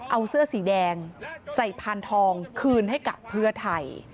เอาเสื้อสีแดงใส่พานทองคืนให้กับเพื่อไทย